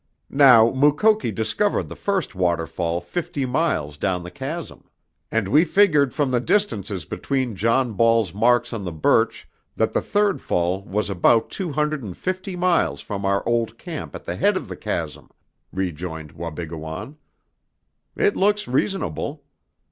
Now Mukoki discovered the first waterfall fifty miles down the chasm!" "And we figured from the distances between John Ball's marks on the birch, that the third fall was about two hundred and fifty miles from our old camp at the head of the chasm," rejoined Wabigoon. "It looks reasonable."